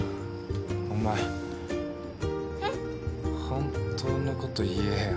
本当のこと言えよ。